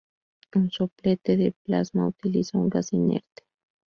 Un soplete de plasma utiliza un gas inerte.